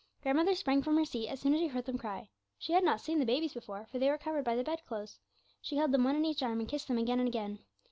Grandmother sprang from her seat as soon as she heard them cry. She had not seen the babies before, for they were covered by the bed clothes. She held them one in each arm, and kissed them again and again.